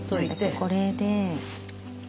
これで。